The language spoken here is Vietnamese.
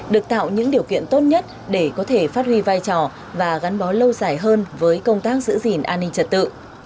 được tạo những điều kiện tốt nhất để có thể phát huy vai trò và gắn bó lâu dài hơn với công tác giữ gìn an ninh trật tự